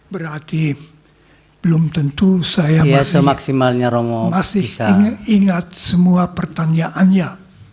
berarti belum tentu saya masih ingat semua pertanyaannya